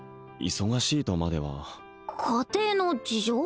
忙しいとまでは家庭の事情？